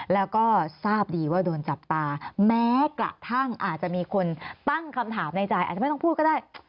แล้วก็ทราบดีว่าโดนจับตาแม้กระทั่งอาจจะมีคนตั้งคำถามในใจอาจจะไม่ต้องพูดก็ได้